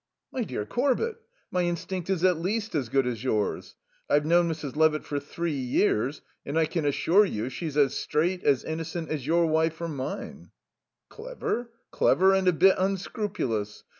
"My dear Corbett, my instinct is at least as good as yours. I've known Mrs. Levitt for three years, and I can assure she's as straight, as innocent, as your wife or mine." "Clever clever and a bit unscrupulous."